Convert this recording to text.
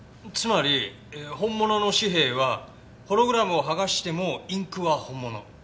つまり本物の紙幣はホログラムをはがしてもインクは本物。